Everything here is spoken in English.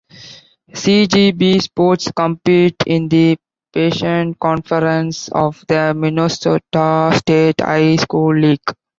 C-G-B sports compete in the Pheasant Conference of the Minnesota State High School League.